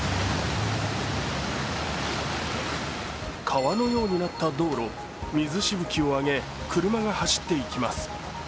川のようになった道路、水しぶきをあげ車が走っていきます。